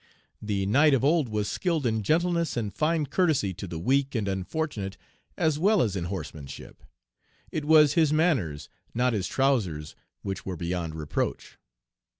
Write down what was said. The knight of old was skilled in gentleness and fine courtesy to the weak and unfortunate as well as in horsemanship. It was his manners, not his trousers, which were beyond reproach.